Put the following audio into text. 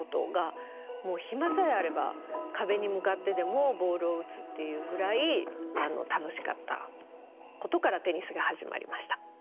もう暇さえあれば壁に向かってでもボールを打つっていうぐらい楽しかったことからテニスが始まりました。